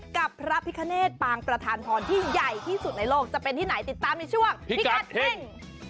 กับพระพิคเนตปางประธานพรที่ใหญ่ที่สุดในโลกจะเป็นที่ไหนติดตามในช่วงพิกัดเฮ่ง